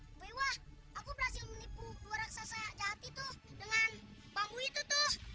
hai hai hai hai hai hai hai bewa aku berhasil menipu raksasa jahat itu dengan bambu itu tuh